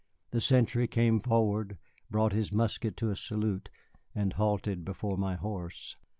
The sentry came forward, brought his musket to a salute, and halted before my horse.